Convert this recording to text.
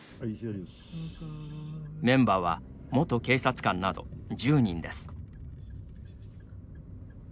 メンバーは元警察官など１０人です。